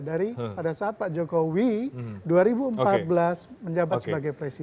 dari pada saat pak jokowi dua ribu empat belas menjabat sebagai presiden